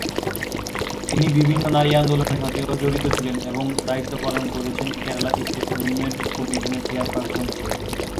তিনি বিভিন্ন নারী আন্দোলনের সাথেও জড়িত ছিলেন এবং দায়িত্ব পালন করেছেন কেরালা স্টেট উইমেন কমিশনের চেয়ারপার্সন হিসেবে।